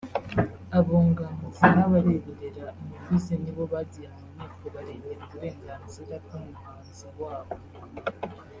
abunganizi n’abareberera inyungu ze ni bo bagiye mu nkiko barengera uburenganzira bw’umuhanzi wabo